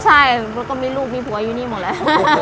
ใช่มันก็มีลูกมีผัวอยู่นี่หมดแล้ว